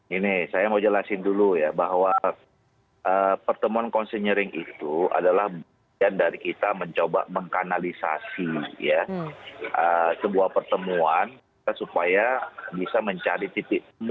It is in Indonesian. ini saya mau jelasin dulu ya bahwa pertemuan konsinyering itu adalah bagian dari kita mencoba mengkanalisasi ya sebuah pertemuan supaya bisa mencari titik